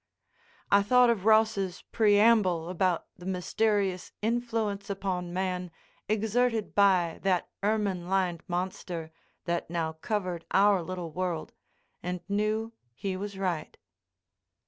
I thought of Ross's preamble about the mysterious influence upon man exerted by that ermine lined monster that now covered our little world, and knew he was right.